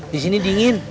di sini dingin